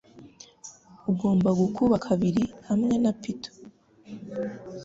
ugomba gukuba kabiri hamwe na Peter